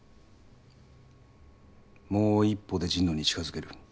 もう一歩で神野に近づける。